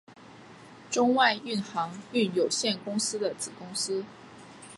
中外运航运有限公司的子公司。